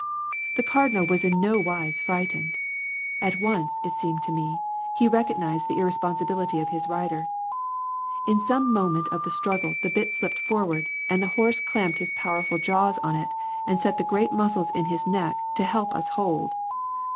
The Cardinal was in no wise frightened. At once, it seemed to me, he recognised the irresponsibility of his rider. In some moment of the struggle the bit slipped forward, and the horse clamped his powerful jaws on it and set the great muscles in his neck to help us hold.